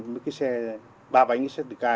mấy cái xe ba bánh xe tự ca